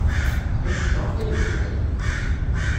Ad ak-fkeɣ akk ayen tebɣiḍ.